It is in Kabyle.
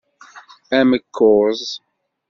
Amekkuẓ.